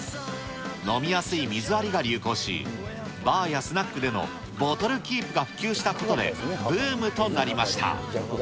飲みやすい水割りが流行し、バーやスナックでのボトルキープが普及したことで、ブームとなりました。